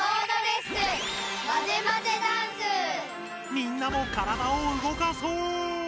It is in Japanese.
みんなも体を動かそう！